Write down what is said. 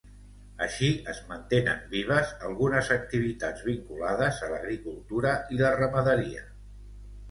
Així, es mantenen vives algunes activitats vinculades a l'agricultura i la ramaderia.